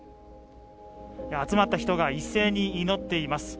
集まった人が一斉に祈っています。